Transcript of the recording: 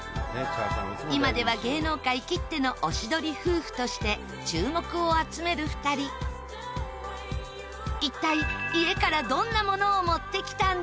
今では、芸能界きってのおしどり夫婦として注目を集める２人一体、家から、どんなものを持ってきたんでしょう？